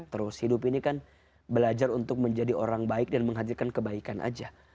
terus hidup ini kan belajar untuk menjadi orang baik dan menghadirkan kebaikan aja